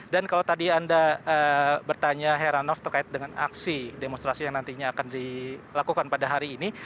dan kalau tadi anda bertanya heranov terkait dengan aksi demonstrasi yang nantinya akan dilakukan pada hari ini